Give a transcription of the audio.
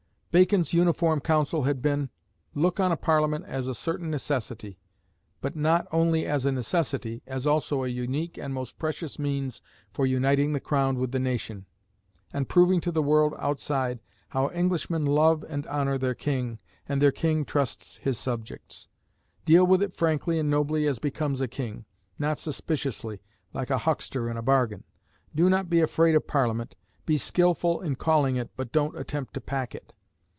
Bacon's uniform counsel had been Look on a Parliament as a certain necessity, but not only as a necessity, as also a unique and most precious means for uniting the Crown with the nation, and proving to the world outside how Englishmen love and honour their King, and their King trusts his subjects. Deal with it frankly and nobly as becomes a king, not suspiciously like a huckster in a bargain. Do not be afraid of Parliament. Be skilful in calling it, but don't attempt to "pack" it.